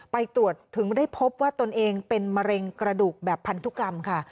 ไปตรวจถึงได้พบว่าตนเองเป็นมะเร็งกระดูกแบบพันธุกรรมค่ะ